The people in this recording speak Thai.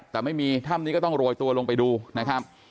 แต่ไม่มีถ้ำนี้ก็ต้องโรยตัวลงไปดูนะครับ